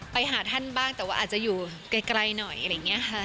ไปหาท่านบ้างแต่ว่าอาจจะอยู่ใกล้หน่อย